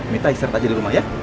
mita ikhterak aja di rumah ya